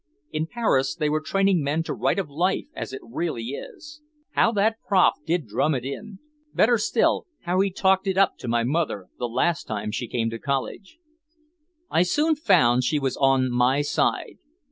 In Paris they were training men to write of life as it really is! How that prof did drum it in. Better still, how he talked it up to my mother the last time she came to college. I soon found she was on my side.